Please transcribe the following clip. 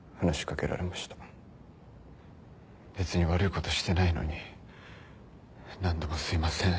別に悪いことしてないのに何度もすいません